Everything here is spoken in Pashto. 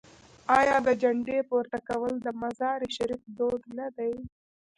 آیا د جنډې پورته کول د مزار شریف دود نه دی؟